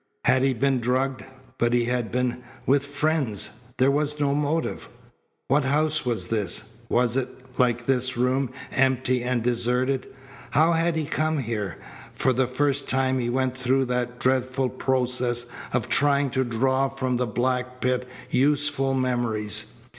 Had he been drugged? But he had been with friends. There was no motive. What house was this? Was it, like this room, empty and deserted? How had he come here? For the first time he went through that dreadful process of trying to draw from the black pit useful memories.